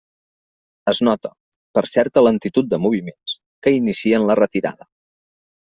Es nota, per certa lentitud de moviments, que inicien la retirada.